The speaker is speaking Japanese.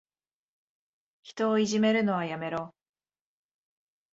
人をいじめるのはやめろ。